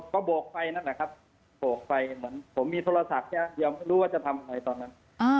ก็โบกไปนั่นแหละครับโบกไปเหมือนผมมีโทรศัพท์ใช่ไหมยังไม่รู้ว่าจะทำไงตอนนั้น